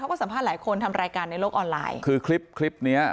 ก็สัมภาษณ์หลายคนทำรายการในโลกออนไลน์คือคลิปคลิปเนี้ย